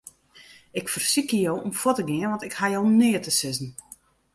Ik fersykje jo om fuort te gean, want ik haw jo neat te sizzen.